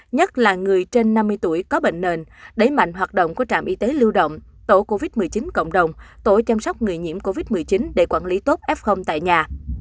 nhất là người trên năm mươi tuổi có bệnh nền đẩy mạnh hoạt động của trạm y tế lưu động tổ covid một mươi chín cộng đồng tổ chăm sóc người nhiễm covid một mươi chín để quản lý tốt f tại nhà